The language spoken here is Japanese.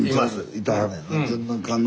いてはるねんな。